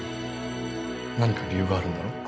何か理由があるんだろ？